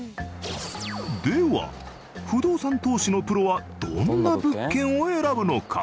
では不動産投資のプロはどんな物件を選ぶのか？